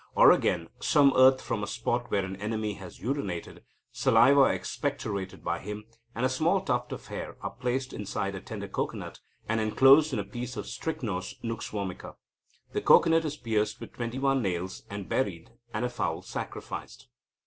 Or, again, some earth from a spot where an enemy has urinated, saliva expectorated by him, and a small tuft of hair, are placed inside a tender cocoanut, and enclosed in a piece of Strychnos Nux vomica. The cocoanut is pierced with twenty one nails and buried, and a fowl sacrificed."